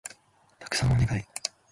たくさんお願い